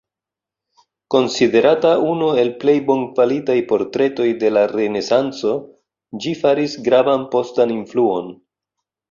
Konsiderata unu el plej bonkvalitaj portretoj de la Renesanco, ĝi faris gravan postan influon.